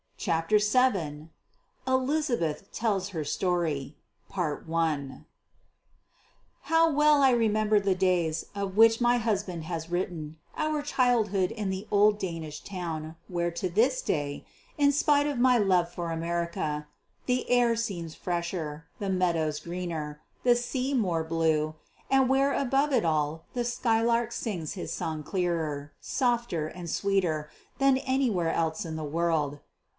CHAPTER VII ELIZABETH TELLS HER STORY How well I remember the days of which my husband has written our childhood in the old Danish town where to this day, in spite of my love for America, the air seems fresher, the meadows greener, the sea more blue, and where above it all the skylark sings his song clearer, softer, and sweeter than anywhere else in the world!